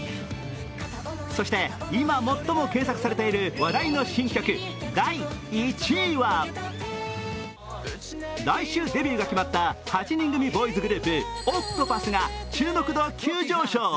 そして今最も検索されている話題の新曲第１位は来週デビューが決まった８人組ボーイズグループ、ＯＣＴＰＡＴＨが注目度急上昇。